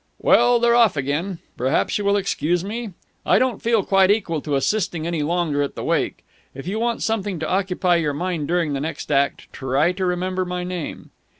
"Well, they're off again. Perhaps you will excuse me? I don't feel quite equal to assisting any longer at the wake. If you want something to occupy your mind during the next act, try to remember my name."